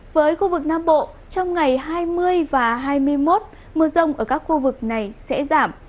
với khu vực nam bộ trong ngày hai mươi và hai mươi một mưa rông ở các khu vực này sẽ giảm